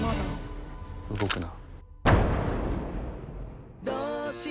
動くな。